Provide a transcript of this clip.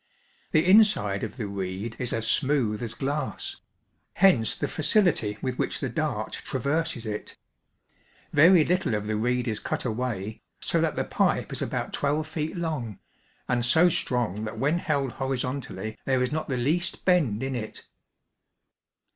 The inside of the reed is as smooth as glass ; hence the facility with which the dart traverses it. Yeiy little of the reed is cut away, so that the pipe is about twelve feet long, and so strong that when held horixon tally there is not the least bend in it.